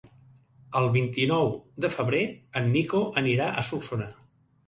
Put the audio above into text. El vint-i-nou de febrer en Nico anirà a Solsona.